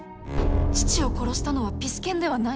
父を殺したのはピス健ではない？